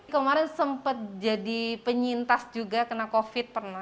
kemarin sempat jadi penyintas juga kena covid sembilan belas